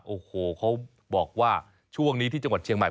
โอ้โหเขาบอกว่าช่วงนี้ที่จังหวัดเชียงใหม่